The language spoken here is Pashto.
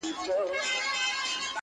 په مشوکه کي مي زېری د اجل دئ!